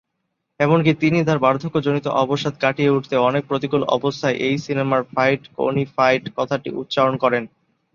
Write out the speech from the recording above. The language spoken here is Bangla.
এমনকি তিনি তার বার্ধক্যজনিত অবসাদ কাটিয়ে উঠতে অনেক প্রতিকূল অবস্থায় এই সিনেমার "ফাইট-কোনি-ফাইট" কথাটি উচ্চারণ করেন।